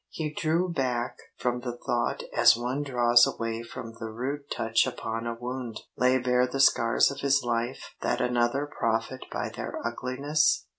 He drew back from the thought as one draws away from the rude touch upon a wound. Lay bare the scars of his life that another profit by their ugliness?